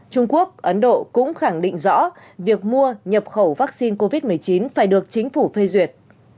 trung quốc ấn độ cũng khẳng định rõ việc mua nhập khẩu vaccine covid một mươi chín phải được chính phủ phê duyệt